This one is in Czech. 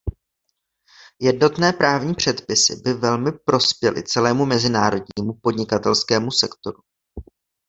Jednotné právní předpisy by velmi prospěly celému mezinárodnímu podnikatelskému sektoru.